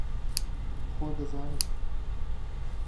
خۆ دەزانم